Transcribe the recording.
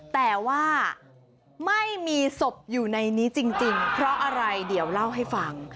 แต่ว่าไม่มีศพอยู่ในนี้จริงเพราะอะไรเดี๋ยวเล่าให้ฟัง